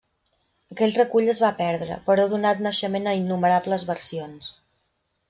Aquest recull es va perdre, però ha donat naixement a innumerables versions.